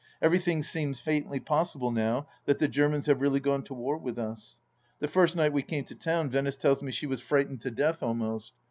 Everything seems faintly possible now that the Germans have really gone to war with us. The first night we came to town Venice tells me she was frightened to death. THE LAST DITCH 168 almost.